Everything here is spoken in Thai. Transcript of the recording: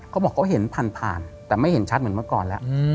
เขาบอกเขาเห็นผ่านผ่านแต่ไม่เห็นชัดเหมือนเมื่อก่อนแล้ว